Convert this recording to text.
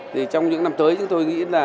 trong những năm tới chúng tôi nghĩ là